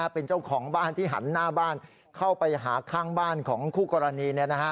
เป็นเจ้าของบ้านที่หันหน้าบ้านเข้าไปหาข้างบ้านของคู่กรณี